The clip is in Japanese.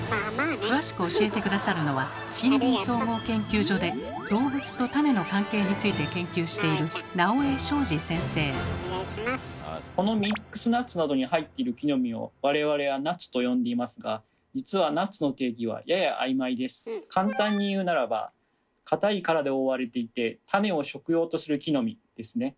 詳しく教えて下さるのは森林総合研究所で動物と種の関係について研究しているこのミックスナッツなどに入っている木の実を我々は「ナッツ」と呼んでいますがじつは簡単に言うならば「硬い殻で覆われていて種を食用とする木の実」ですね。